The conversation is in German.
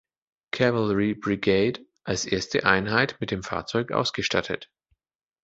Cavalry Brigade" als erste Einheit mit dem Fahrzeug ausgestattet.